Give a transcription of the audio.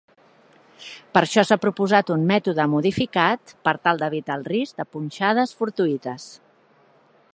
Per això, s'ha proposat un mètode modificat per tal d'evitar el risc de punxades fortuïtes.